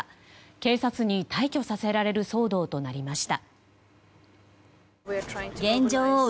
警察に退去させられる騒動となりました。